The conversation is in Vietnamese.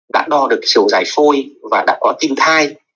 đã đo được chiều dài phôi và đã có tim thai